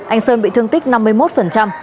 anh sơn bị thương tích năm mươi một